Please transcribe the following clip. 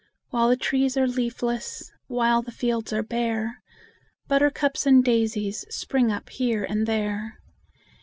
While the trees are leafless, While the fields are bare, Buttercups and daisies Spring up here and there.